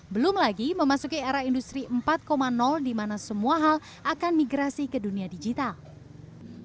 belum lagi memasuki era industri empat di mana semua hal akan migrasi ke dunia digital